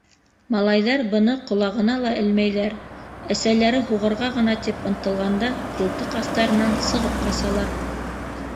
Малайҙар быны ҡолағына ла элмәйҙәр, әсәләре һуғырға ғына тип ынтылғанда, ҡултыҡ аҫтарынан сығып ҡасалар.